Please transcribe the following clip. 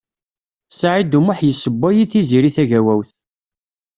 Saɛid U Muḥ yessewway i Tiziri Tagawawt.